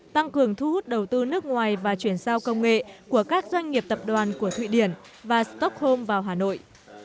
tăng cường thu hút đầu tư nước ngoài và chuyển sao công nghệ của các doanh nghiệp tập đoàn của thụy điển và stockholm vào hà nội